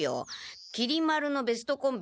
きり丸のベストコンビ